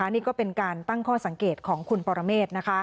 นี่ก็เป็นการตั้งข้อสังเกตของคุณปรเมฆ